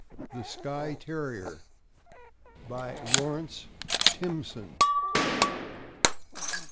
THE SKYE TERRIER BY LAWRENCE TIMPSON.